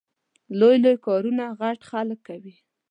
لوی لوی کارونه غټ خلګ کوي